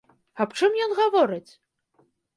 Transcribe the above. Аб чым ён гаворыць?